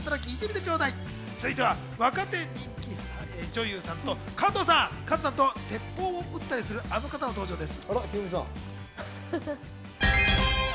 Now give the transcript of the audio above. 続いては若手人気女優さんと、加藤さんと鉄砲を撃ったりするあの人の登場です。